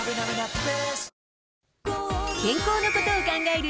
健康のことを考える